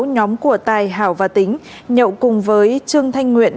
nhóm của tài hảo và tính nhậu cùng với trương thanh nguyện